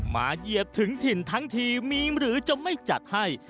เหยียบถึงถิ่นทั้งทีมีหรือจะไม่จัดให้